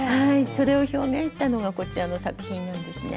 それを表現したのがこちらの作品なんですね。